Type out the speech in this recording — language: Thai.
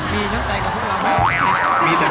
มีรายเค้าใส่ผ้าสด